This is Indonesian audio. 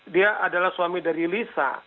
dia adalah suami dari lisa